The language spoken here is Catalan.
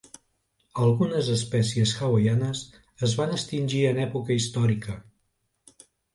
Algunes espècies hawaianes es van extingir en època històrica.